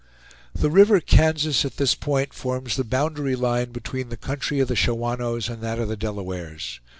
The river Kansas at this point forms the boundary line between the country of the Shawanoes and that of the Delawares.